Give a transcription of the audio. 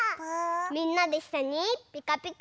みんなでいっしょにピカピカ。